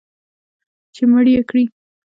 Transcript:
چې مړ یې کړي